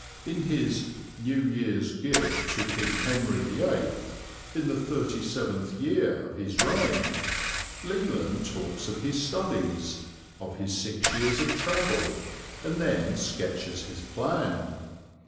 In his "Newe Yeare's Gyft to King Henry the viii in the XXXVII Yeare of his Raygne," Leland talks of his studies, of his six years of travel, and then sketches his plan.